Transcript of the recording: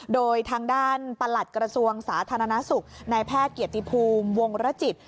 โดยทางด้านประหลัดกระทรวงสาธารณสุขนายแพทย์เกียรติภูมิวงรจิต